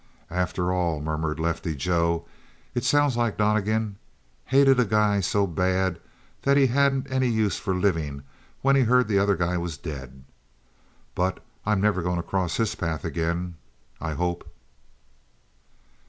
"After all," murmured Lefty Joe, "it sounds like Donnegan. Hated a guy so bad that he hadn't any use for livin' when he heard the other guy was dead. But I'm never goin' to cross his path again, I hope."